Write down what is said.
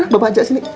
bapak aja sini